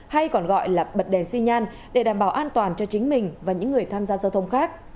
hay còn gọi là bật đèn xi nhan để đảm bảo an toàn cho chính mình và những người tham gia giao thông khác